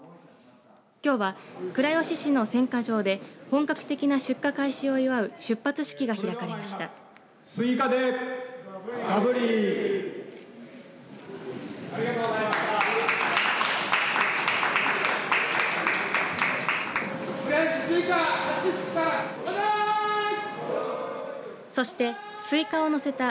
きょうは倉吉市での選果場で本格的な出荷開始を祝う出発式が開かれました。